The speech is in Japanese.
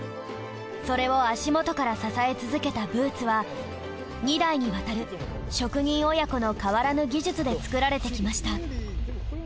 それを足元から支え続けたブーツは２代に渡る職人親子の変わらぬ技術で作られてきました。